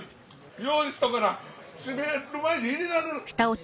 用意しとかな閉める前に入れられる。